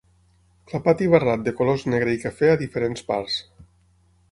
Clapat i barrat de colors negre i cafè a diferents parts.